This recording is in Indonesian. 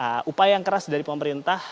maka memang perlu upaya yang keras dari pemerintah